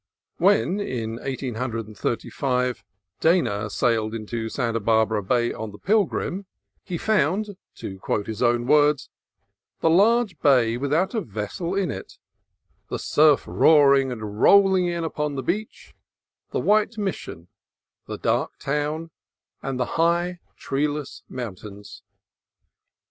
When, in 1835, Dana sailed into Santa Barbara Bay on the Pilgrim, he found (to quote his own words) "the large bay without a vessel in it; the surf roar ing and rolling in upon the beach ; the white Mission, the dark town, and the high, treeless mountains."